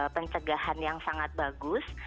pencegahan yang sangat bagus